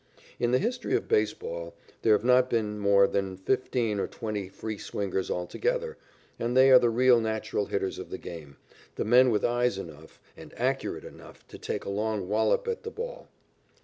In the history of baseball there have not been more than fifteen or twenty free swingers altogether, and they are the real natural hitters of the game, the men with eyes nice enough and accurate enough to take a long wallop at the ball.